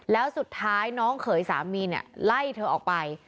แล้วสุดท้ายน้องเขยสามีเนี่ยไล่เธอออกไป